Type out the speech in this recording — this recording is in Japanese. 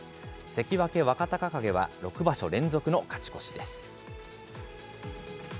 関脇・若隆景は６場所連続の勝ち越しです。